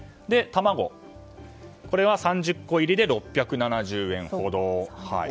卵は３０個入りで６７０円ほど。